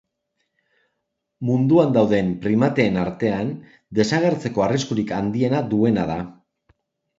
Munduan dauden primateen artean desagertzeko arriskurik handiena duena da.